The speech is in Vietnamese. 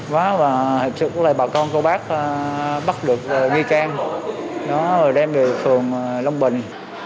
và thực sự là bà con cô bác bắt được nhi trang nó đem về khuôn long bình